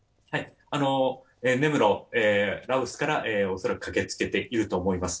根室、羅臼から恐らく駆けつけていると思います。